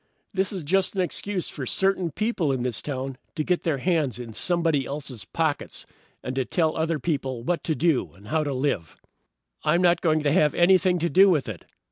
"This is just an excuse for certain people in this town to get their hands in somebody else's pockets, and to tell other people what to do and how to live. "I'm not going to have anything to do with it.